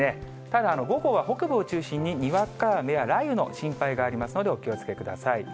ただ、午後は北部を中心ににわか雨や雷雨の心配がありますので、お気をつけください。